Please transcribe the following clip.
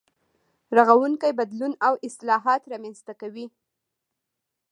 رغونکی بدلون او اصلاحات رامنځته کوي.